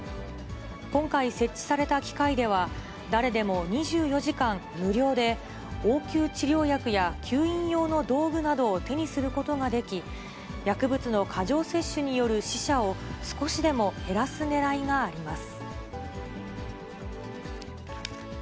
今回設置された機械では、誰でも２４時間無料で、応急治療薬や吸引用の道具などを手にすることができ、薬物の過剰摂取による死者を少しでも減らすねらいがあります。